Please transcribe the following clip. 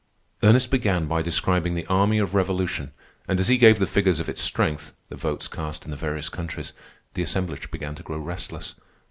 Ernest began by describing the army of revolution, and as he gave the figures of its strength (the votes cast in the various countries), the assemblage began to grow restless.